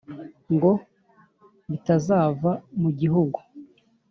Ngo bitazava mu gihugu,